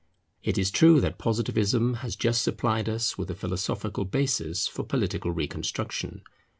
It is true that Positivism has just supplied us with a philosophical basis for political reconstruction.